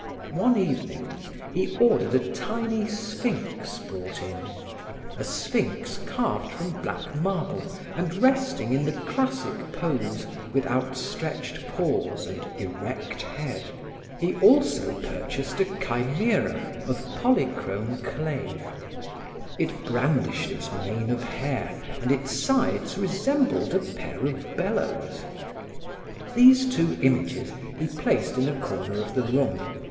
One evening he ordered a tiny sphinx brought in a sphinx carved from black marble and resting in the classic pose with outstretched paws and erect head. He also purchased a chimera of polychrome clay; it brandished its mane of hair, and its sides resembled a pair of bellows. These two images he placed in a corner of the room.